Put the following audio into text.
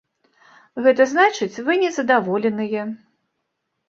Гэта значыць, вы незадаволеныя.